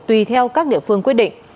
tùy theo các địa phương quyết định